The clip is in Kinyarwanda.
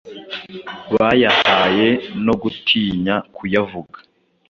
bayahaye, no gutinya kuyavuga